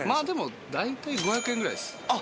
でも大体５００円ぐらいです。